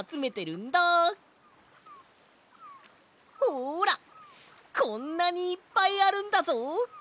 ほらこんなにいっぱいあるんだぞ！